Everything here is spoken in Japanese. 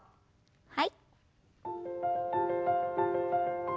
はい。